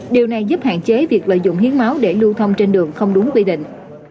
điều này giúp hạn chế việc lợi dụng hiến máu để lưu thông trên đường không đúng quy định